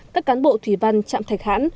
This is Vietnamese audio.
các cán bộ thủy văn trạm thạch hãn